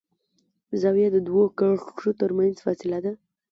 زاویه د دوو کرښو تر منځ فاصله ده.